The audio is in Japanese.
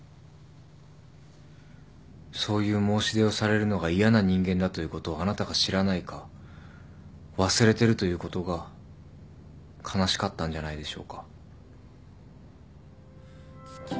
そういう申し出をされるのが嫌な人間だということをあなたが知らないか忘れてるということが悲しかったんじゃないでしょうか。